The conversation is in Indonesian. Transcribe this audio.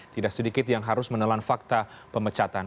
tidak sedikit yang harus menelan fakta pemecatan